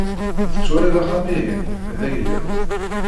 Tettwaliḍ axxam-ihin? D ayla-w.